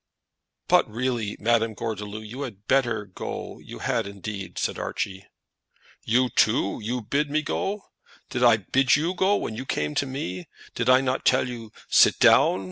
"But really, Madame Gordeloup, you had better go; you had, indeed," said Archie. "You, too you bid me go? Did I bid you go when you came to me? Did I not tell you, sit down?